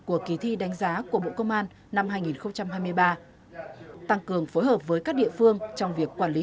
của kỳ thi đánh giá của bộ công an năm hai nghìn hai mươi ba tăng cường phối hợp với các địa phương trong việc quản lý